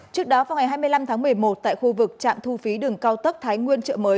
trước đó vào ngày hai mươi năm tháng một mươi một tại khu vực trạm thu phí đường cao tấc thái nguyên